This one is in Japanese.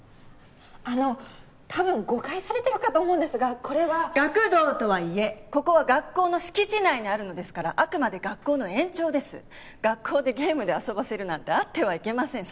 あの多分誤解されてるかと思うんですがこれは学童とはいえここは学校の敷地内にあるのですからあくまで学校の延長です学校でゲームで遊ばせるなんてあってはいけません